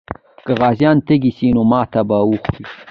که غازیان تږي سي، نو ماتې به وخوري.